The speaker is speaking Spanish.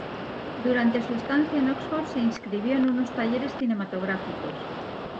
Durante su estancia en Oxford se inscribió en unos talleres cinematográficos.